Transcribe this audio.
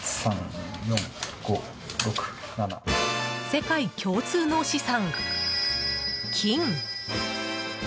世界共通の資産、金。